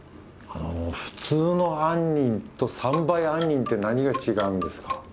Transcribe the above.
あの普通の杏仁と３倍杏仁って何が違うんですか？